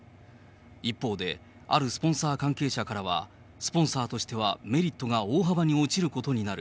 一方で、あるスポンサー関係者からは、スポンサーとしてはメリットが大幅に落ちることになる。